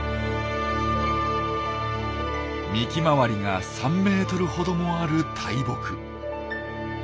幹回りが３ｍほどもある大木。